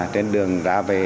trên đường ra về